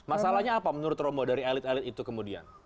masalahnya apa menurut romo dari elit elit itu kemudian